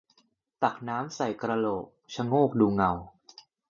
ตักน้ำใส่กระโหลก ชะโงกดูเงา